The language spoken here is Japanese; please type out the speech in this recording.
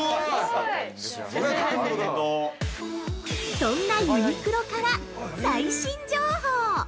◆そんなユニクロから最新情報！